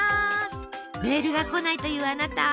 メールが来ないというあなた！